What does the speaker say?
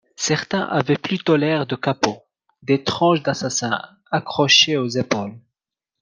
certains avaient plutôt l’air de kapos, des tronches d’assassins accrochées aux épaules.